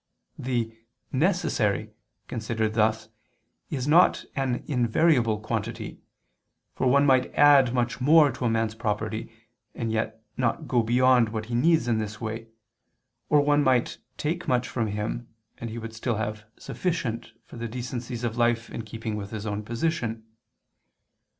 The "necessary" considered thus is not an invariable quantity, for one might add much more to a man's property, and yet not go beyond what he needs in this way, or one might take much from him, and he would still have sufficient for the decencies of life in keeping with his own position.